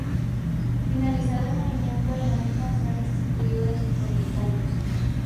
Finalizado el movimiento, el "Anita" fue restituido a sus propietarios.